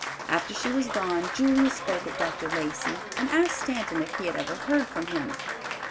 After she was gone, Julia spoke of Dr. Lacey and asked Stanton if he had ever heard from him.